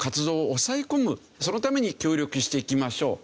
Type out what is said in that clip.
そのために協力していきましょう。